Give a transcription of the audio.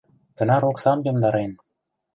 Тынар оксам йомдарен.